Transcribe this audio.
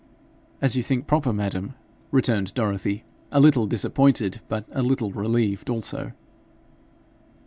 'As you think proper, madam,' returned Dorothy, a little disappointed, but a little relieved also.